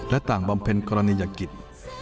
และต่างบำเพ็ญกรณียกิจ